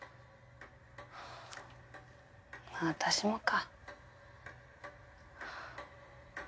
まぁ私もか。